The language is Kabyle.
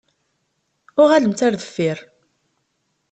Uɣalemt ar deffir.